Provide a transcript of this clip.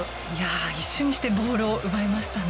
一瞬にしてボールを奪いましたね。